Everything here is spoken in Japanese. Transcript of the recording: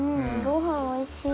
ごはんおいしい。